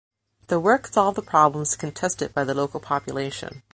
The work solved the problems contested by the local population.